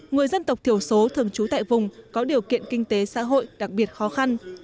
người dân tộc thiểu số thường trú tại vùng có điều kiện kinh tế xã hội đặc biệt khó khăn